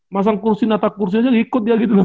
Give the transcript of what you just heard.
masang kursi natak kursi aja ikut dia gitu loh